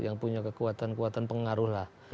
yang punya kekuatan kekuatan pengaruh lah